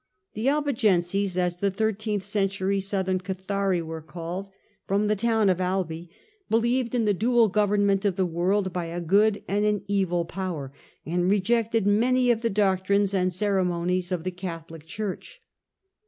The " Albigenses," as the thirteenth century southern Cathari were called, from the town of Albi, believed in the dual government of the world by a good and an evil power, and rejected many of the doctrines and ceremonies of the Catholic Church.